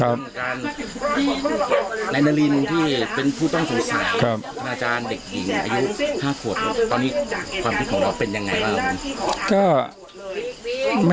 ตอนนี้ความคิดของเราเป็นยังไงบ้าง